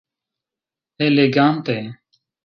Elegante!